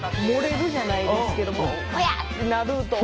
漏れるじゃないですけどふぇ